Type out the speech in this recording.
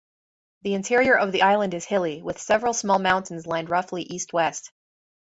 The interior of the island is hilly, with several small mountains lined roughly east-west.